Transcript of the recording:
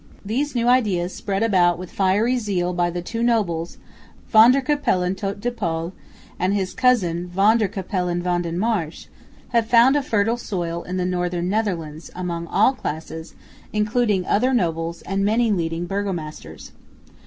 These new ideas, spread about with fiery zeal by the two nobles, Van der Capellen tot de Pol and his cousin Van der Capellen van den Marsch, had found a fertile soil in the northern Netherlands, and among all classes, including other nobles and many leading burgomasters.